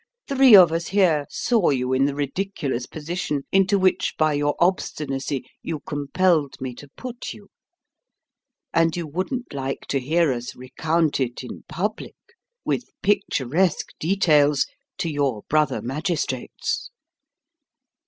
Three of us here saw you in the ridiculous position into which by your obstinacy you compelled me to put you; and you wouldn't like to hear us recount it in public, with picturesque details, to your brother magistrates.